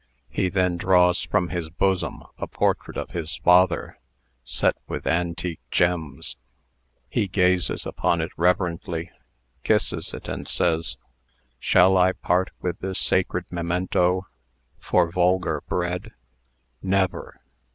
He then draws from his bosom a portrait of his father, set with antique gems. He gazes upon it reverently, kisses it, and says: "Shall I part with this sacred memento for vulgar bread? Never!